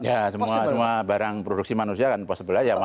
ya semua barang produksi manusia kan possible aja